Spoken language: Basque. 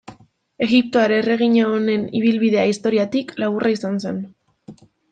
Egiptoar erregina honen ibilbidea historiatik, laburra izan zen.